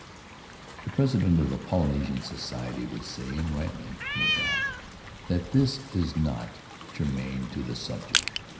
The president of the Polynesian society would say, and rightly, no doubt, that this is not germane to the subject.